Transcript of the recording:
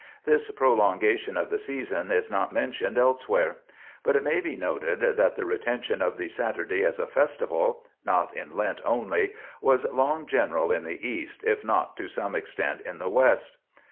This prolongation of the season is not men tioned elsewhere. 1 But it may be noted that the retention of the Saturday as a festival (not in Lent only) was long general in the East, if not to some extent in the West.